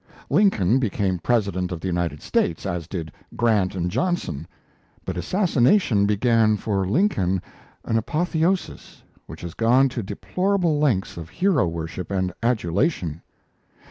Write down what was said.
Lincoln became President of the United States, as did Grant and Johnson. But assassination began for Lincoln an apotheosis which has gone to deplorable lengths of hero worship and adulation.